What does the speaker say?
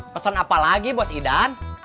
pesan apa lagi bos idan